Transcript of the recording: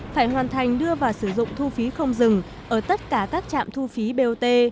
phải hoàn thành đưa vào sử dụng thu phí không dừng ở tất cả các trạm thu phí bot